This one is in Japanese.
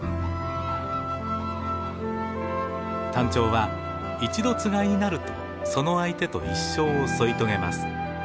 タンチョウは一度つがいになるとその相手と一生を添い遂げます。